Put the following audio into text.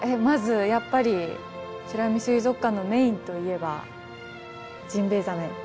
まずやっぱり美ら海水族館のメインといえばジンベエザメ。